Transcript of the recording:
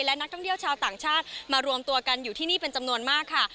และนักท่องเที่ยวชาวต่างชาติมารวมตัวกันอยู่ที่นี่เป็นจำนวนมากค่ะ